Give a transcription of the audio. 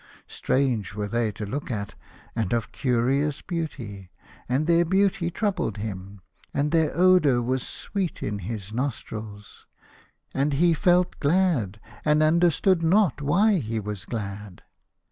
Strange were they to look at, and of curious beauty, and their beauty troubled him, and their odour was sweet in his nostrils. And he felt glad, and understood not why he was glad.